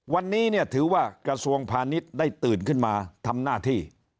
วันนี้เนี่ยถือว่ากระทรวงพาณิชย์ได้ตื่นขึ้นมาทำหน้าที่